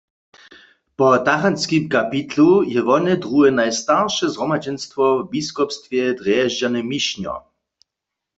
Po tachantskim kapitlu je wone druhe najstarše zhromadźenstwo w biskopstwje Drježdźany-Mišnjo.